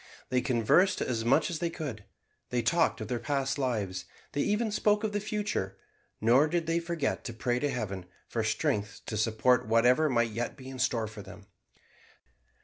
They conversed as much as they could, they talked of their past lives, they even spoke of the future; nor did they forget to pray to Heaven for strength to support whatever might yet be in store for them.